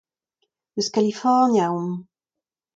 Eus Kalifornia omp.